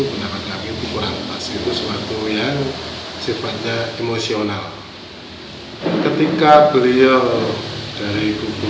menangkap itu kurang pasti itu suatu yang sifatnya emosional ketika beliau dari kubu